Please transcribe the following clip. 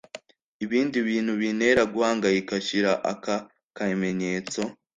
Ibindi bintu bintera guhangayika shyira aka kamenyetso